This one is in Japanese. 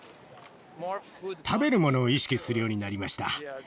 食べるものを意識するようになりました。